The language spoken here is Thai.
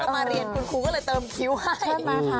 แล้วก็มาเรียนคุณครูก็เลยเติมคันนี้ให้